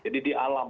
jadi di alam